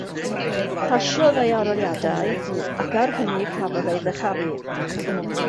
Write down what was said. Pasiodd ei arholiadau, ac ar hynny cafodd ei ddyrchafu.